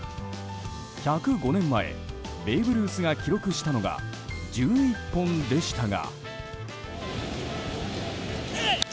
１０５年前ベーブ・ルースが記録したのが１１本でしたが。